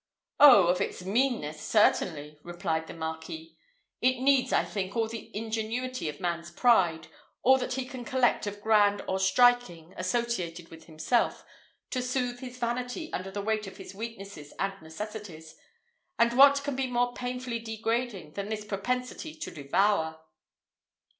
"Oh, of its meanness, certainly!" replied the Marquis; "it needs, I think, all the ingenuity of man's pride all that he can collect of grand or striking, associated with himself to soothe his vanity under the weight of his weaknesses and necessities; and what can be more painfully degrading than this propensity to devour!"